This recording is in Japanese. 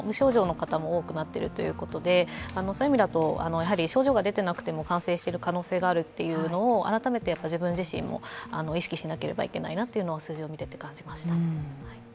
方も多くなっているということで、そういう意味だと症状が出ていなくても感染している可能性があると、改めて、自分自身も意識しなきゃいけないなというのは数字を見ていて感じました。